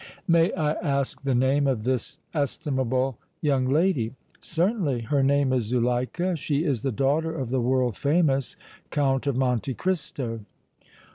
"May I ask the name of this estimable young lady?" "Certainly. Her name is Zuleika; she is the daughter of the world famous Count of Monte Cristo."